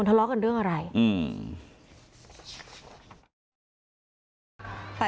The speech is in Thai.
ประตู๓ครับ